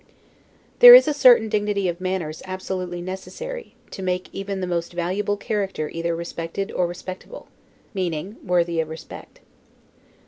There is a certain dignity of manners absolutely necessary, to make even the most valuable character either respected or respectable. [Meaning worthy of respect.